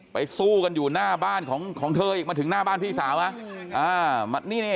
สู้กันอยู่หน้าบ้านของเธออีกมาถึงหน้าบ้านพี่สาวมา